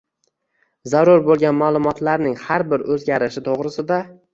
zarur bo‘lgan ma’lumotlarning har bir o‘zgarishi to‘g‘risida